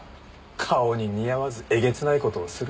顔に似合わずえげつない事をする。